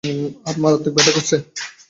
আর মারাত্মক ব্যথা করছে।